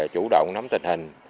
chủ động nắm tình hình